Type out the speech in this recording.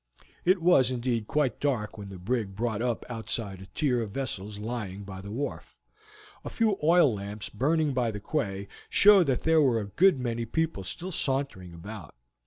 It was indeed quite dark when the brig brought up outside a tier of vessels lying by the wharf. A few oil lamps burning by the quay showed that there were a good many people still sauntering about.